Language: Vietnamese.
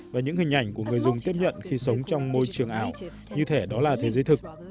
và những hình ảnh của người dùng tiếp nhận khi sống trong môi trường ảo như thể đó là thế giới thực